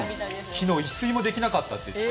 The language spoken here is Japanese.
昨日、一睡もできなかったって。